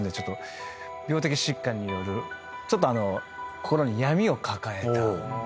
病的疾患によるちょっと心に闇を抱えた。